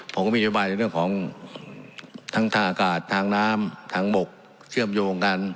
ผมก็มีนโยบายในเรื่องของทั้งท่าอากาศทางน้ำทางบกเชื่อมโยงกัน